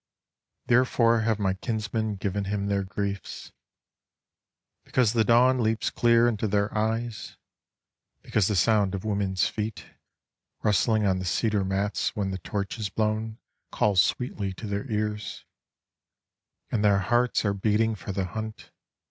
Therefore have my kinsmen given him their griefs—Because the dawn leaps clear into their eyes, Because the sound of women's feetRustling on the cedar mats when the torch is blownCalls sweetly to their ears, And their hearts are beating for the hunt.